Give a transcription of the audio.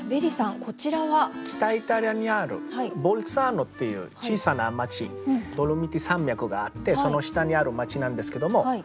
北イタリアにあるボルツァーノっていう小さな町ドロミティ山脈があってその下にある町なんですけども。